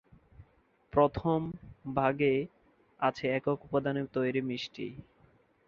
প্রথম ভাগে আছে একক উপাদানে তৈরি মিষ্টি।